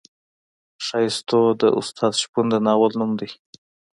ښایستو د استاد شپون د ناول نوم دی.